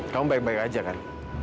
kamu baik baik aja kan